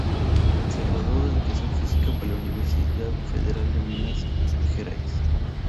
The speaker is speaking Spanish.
Se graduó en Educación Física por la Universidad Federal de Minas Gerais.